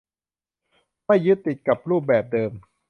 ไม่ยึดติดกับรูปแบบเดิม